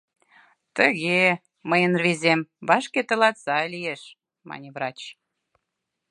— Тыге, мыйын рвезем, вашке тылат сай лиеш, — мане врач.